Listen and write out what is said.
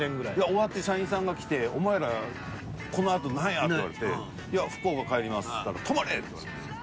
終わって社員さんが来て「お前らこのあと何や」って言われて「福岡帰ります」って言ったら「泊まれ！」って言われて。